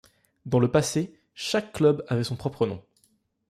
Dans le passé, chaque club avait son propre nom.